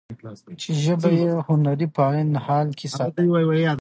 چې ژبه يې هنري په عين حال کې ساده ،